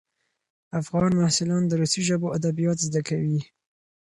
افغان محصلان د روسي ژبو ادبیات زده کوي.